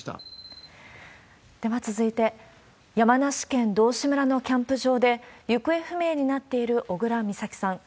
では続いて、山梨県道志村のキャンプ場で、行方不明になっている小倉美咲さん。